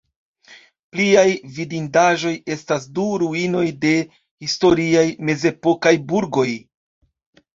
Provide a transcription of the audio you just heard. Pliaj vidindaĵoj estas du ruinoj de historiaj mezepokaj burgoj.